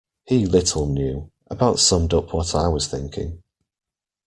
He little knew, about summed up what I was thinking.